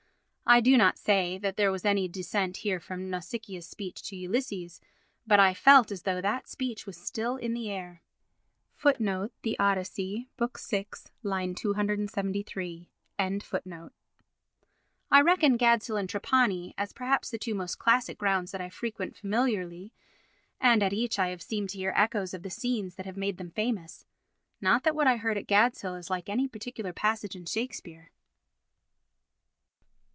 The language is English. I do not say that there was any descent here from Nausicaa's speech to Ulysses, but I felt as though that speech was still in the air. [Od. VI. 273.] I reckon Gadshill and Trapani as perhaps the two most classic grounds that I frequent familiarly, and at each I have seemed to hear echoes of the scenes that have made them famous. Not that what I heard at Gadshill is like any particular passage in Shakespeare.